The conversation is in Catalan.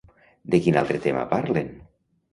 De quin altre tema parlen?